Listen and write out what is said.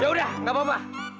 yaudah nggak apa apa